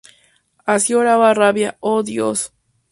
Así oraba Rabia:¡Oh Dios!